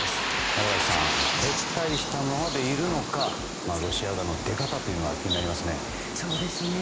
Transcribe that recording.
中林さん撤退したままでいるのかロシア側の出方が気になりますね。